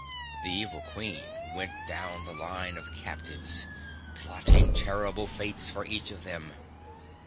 The evil Queen went down the line of captives, plotting terrible fates for each of them.